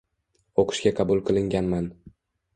o’qishga qabul qilinganman.